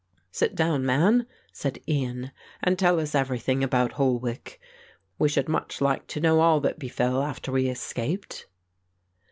"Sit down, man," said Ian, "and tell us everything about Holwick. We should much like to know all that befell after we escaped."